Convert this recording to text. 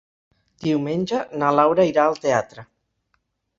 Diumenge na Laura irà al teatre.